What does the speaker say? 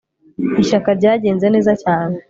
Ishyaka ryagenze neza cyane